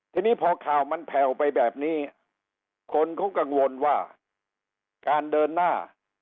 ทีนี้พอข่าวมันแผ่วไปแบบนี้คนเขากังวลว่าการเดินหน้า